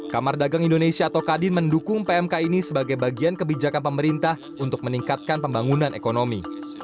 kamar dagang indonesia atau kadin mendukung pmk ini sebagai bagian kebijakan pemerintah untuk meningkatkan pembangunan ekonomi